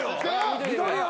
見とけよ。